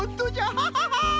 ハハハハ。